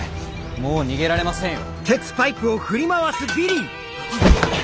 もう逃げられませんよ。